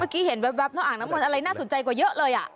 เมื่อกี้เห็นแว๊บน้องอ่างน้ำมนต์อะไรน่าสนใจกว่าเยอะเลย